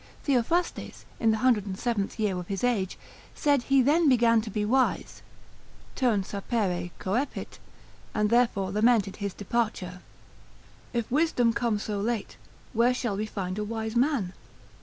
Theophrastes, in the 107th year of his age, said he then began to be to wise, tum sapere coepit, and therefore lamented his departure. If wisdom come so late, where shall we find a wise man?